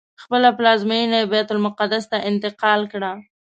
خپله پلازمینه یې بیت المقدس ته انتقال کړه.